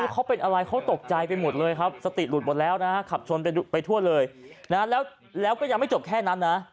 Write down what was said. เขาเป็นอะไรเขาตกใจไปหมดเลยครับสติหลุดหมดแล้วนะฮะขับชนไปทั่วเลยนะแล้วก็ยังไม่จบแค่นั้นนะ